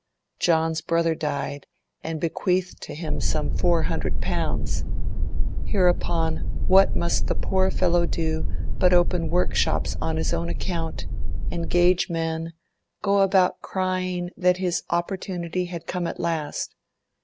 John's brother died, and bequeathed to him some four hundred pounds. Hereupon, what must the poor fellow do but open workshops on his own account, engage men, go about crying that his opportunity had come at last.